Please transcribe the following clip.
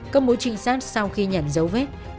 công bố trinh sát sau khi nhận dấu vết